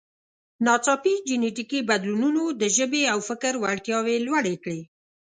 ناڅاپي جینټیکي بدلونونو د ژبې او فکر وړتیاوې لوړې کړې.